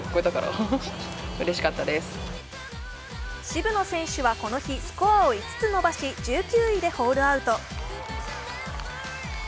渋野選手はこの日スコアを５つ伸ばし１９位でホールアウト。